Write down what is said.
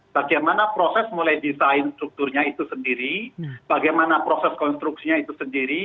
bagaimana proses mulai desain strukturnya itu sendiri bagaimana proses konstruksinya itu sendiri